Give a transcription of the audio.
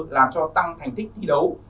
làm cho tăng thành tích thi đấu